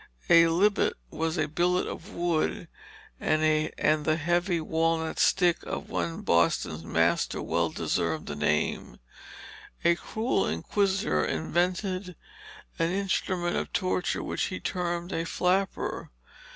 A lybbet was a billet of wood, and the heavy walnut stick of one Boston master well deserved the name. A cruel inquisitor invented an instrument of torture which he termed a flapper.